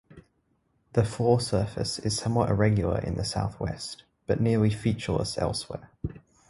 The floor surface is somewhat irregular in the southwest, but nearly featureless elsewhere.